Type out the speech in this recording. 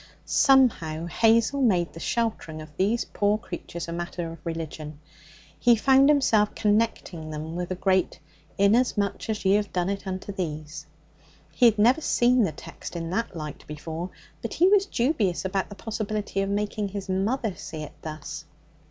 Somehow, Hazel made the sheltering of these poor creatures a matter of religion. He found himself connecting them with the great 'Inasmuch as ye have done it unto these ' He had never seen the text in that light before. But he was dubious about the possibility of making his mother see it thus.